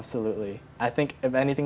saya pikir jika ada hal lain